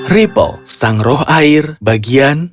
ripple sang roh air bagian